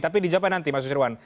tapi dijawabkan nanti mas nusirwan